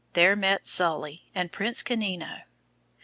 There met Sully, and Prince Canino.